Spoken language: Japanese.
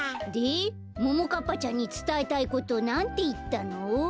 でももかっぱちゃんにつたえたいことなんていったの？